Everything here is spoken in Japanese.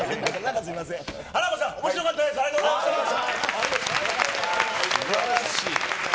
すばらしい。